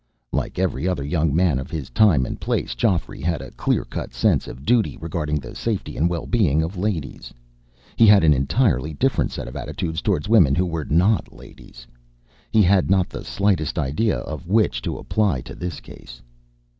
Like every other young man of his time and place, Geoffrey had a clear cut sense of duty regarding the safety and well being of ladies. He had an entirely different set of attitudes toward women who were not ladies. He had not the slightest idea of which to apply to this case.